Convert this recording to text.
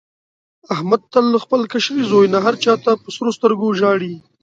احمد تل له خپل کشري زوی نه هر چا ته په سرو سترګو ژاړي.